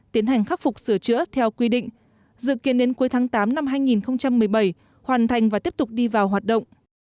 tiến hành khắc phục sửa chữa theo quy định dự kiến đến cuối tháng tám năm hai nghìn một mươi bảy hoàn thành và tiếp tục đi vào hoạt động